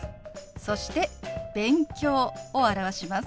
そして「勉強」を表します。